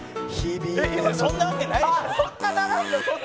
そんなわけないでしょ！